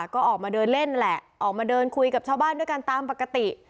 ก็ออกมาเดินเล่นแหละออกมาเดินคุยกับชาวบ้านด้วยกันตามปกติ